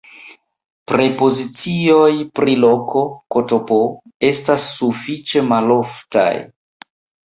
Prepozicioj pri loko ktp estas sufiĉe maloftaj.